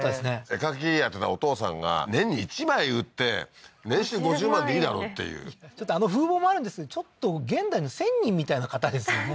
絵描きやってたお父さんが年に１枚売って年収５０万でいいだろうっていうちょっとあの風貌もちょっと現代の仙人みたいな方ですよね